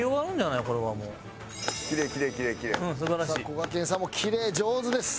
こがけんさんもキレイ上手です！